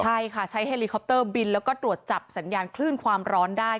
ใช่ค่ะใช้เฮลิคอปเตอร์บินแล้วก็ตรวจจับสัญญาณคลื่นความร้อนได้